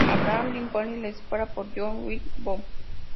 Abraham Lincoln le dispara por John Wilkes Booth.